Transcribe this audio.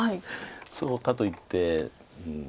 そうかといってうん。